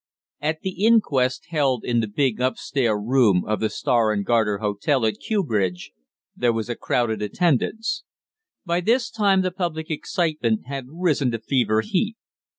At the inquest held in the big upstair room of the Star and Garter Hotel at Kew Bridge there was a crowded attendance. By this time the public excitement had risen to fever heat.